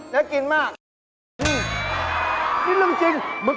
และกลิ่นมาก